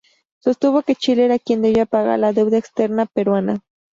Sostuvo que Chile era quien debía pagar la deuda externa peruana.